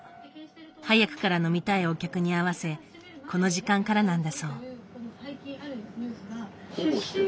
早くから飲みたいお客に合わせこの時間からなんだそう。